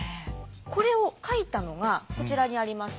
これを描いたのがこちらにあります